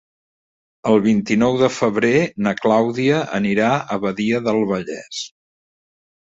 El vint-i-nou de febrer na Clàudia anirà a Badia del Vallès.